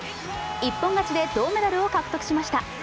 一本勝ちで銅メダルを獲得しました。